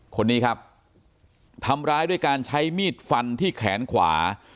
คนนี้ครับทำร้ายด้วยการใช้มีดฟันที่แขนขวา